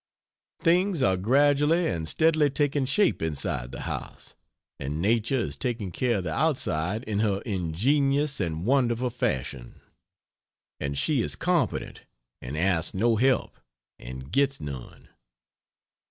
Things are gradually and steadily taking shape inside the house, and nature is taking care of the outside in her ingenious and wonderful fashion and she is competent and asks no help and gets none.